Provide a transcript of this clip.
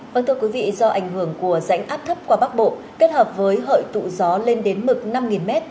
vâng thưa quý vị do ảnh hưởng của rãnh áp thấp qua bắc bộ kết hợp với hội tụ gió lên đến mực năm m